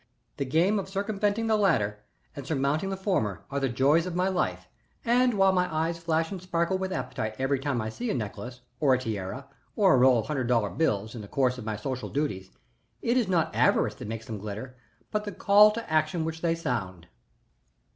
The game of circumventing the latter and surmounting the former are the joy of my life, and while my eyes flash and sparkle with appetite every time I see a necklace or a tiara or a roll of hundred dollar bills in the course of my social duties, it is not avarice that makes them glitter, but the call to action which they sound."